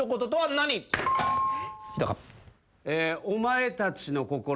「お前たちの心